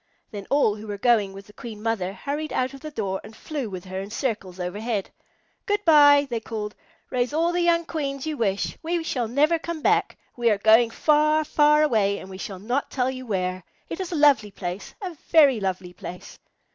Then all who were going with the Queen Mother hurried out of the door and flew with her in circles overhead. "Good bye!" they called. "Raise all the young Queens you wish. We shall never come back. We are going far, far away, and we shall not tell you where. It is a lovely place, a very lovely place."